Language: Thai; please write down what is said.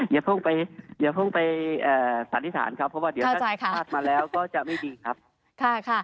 อย่าเพิ่งไปสันนิษฐานครับเพราะว่าเดี๋ยวถ้าคาดมาแล้วก็จะไม่ดีครับ